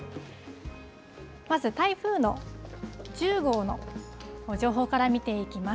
まず台風の１０号の情報から見ていきます。